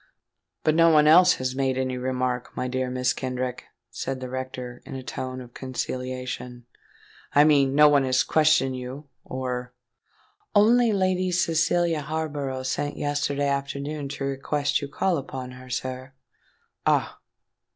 "But no one else has made any remark, my dear Mrs. Kenrick?" said the rector, in a tone of conciliation "I mean—no one has questioned you—or——" "Only Lady Cecilia Harborough sent yesterday afternoon to request you to call upon her, sir." "Ah!